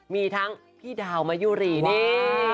มีทั้งพี่ดาวมายุรีนี่